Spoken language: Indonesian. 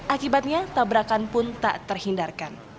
akibatnya tabrakan pun tak terhindarkan